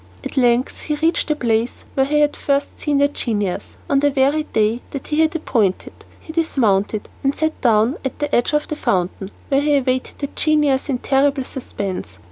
At length he reached the place where he had first seen the genius, on the very day that he had appointed. He dismounted, and sat down at the edge of the fountain, where he awaited the genius in terrible suspense.